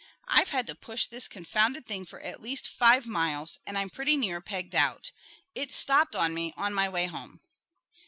I've had to push this confounded thing for at least five miles, and I'm pretty near pegged out. It stopped on me on my way home."